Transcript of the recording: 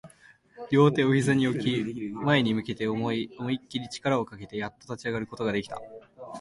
両手を膝に置き、前に向けて思いっきり力をかけて、やっと立ち上がることができた